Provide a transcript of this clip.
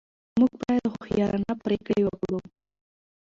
موږ باید هوښیارانه پرېکړې وکړو.